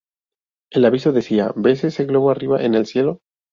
El aviso decía ""¿Ves ese globo arriba en el cielo?